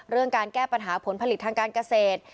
การแก้ปัญหาผลผลิตทางการเกษตร